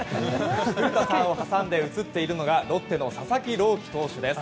古田さんを挟んで写っているのがロッテの佐々木朗希投手です。